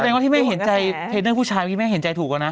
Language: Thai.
แสดงว่าที่แม่เห็นใจเทรนเนอร์ผู้ชายแม่เห็นใจถูกอะนะ